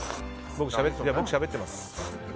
僕しゃべってます。